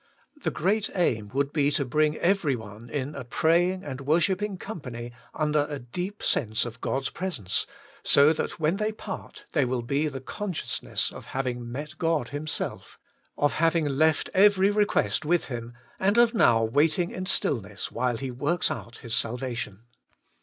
The great aim would be to bring every one in a praying and worshipping company under a deep sense of God's presence, so that when they part there will be the consciousness of having met God Himself, of having left every request with Him, and of now waiting in stillness while He works out His salvation.